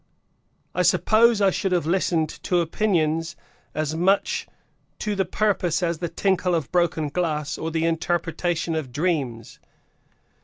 I suppose I should have listened to opinions as much to the purpose as the tinkle of broken glass or the interpretation of dreams.